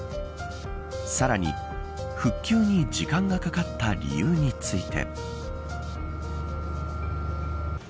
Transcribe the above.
さらに、復旧に時間がかかった理由について。